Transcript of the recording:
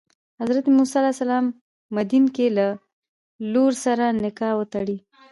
حضرت موسی علیه السلام په مدین کې له لور سره نکاح وتړي.